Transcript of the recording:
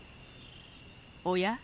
おや？